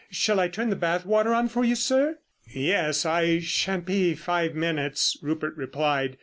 Shall I turn the bath water on for you, sir?" "Yes, I shan't be five minutes," Rupert replied.